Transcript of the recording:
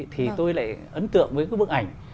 thì tôi lại ấn tượng với cái bức ảnh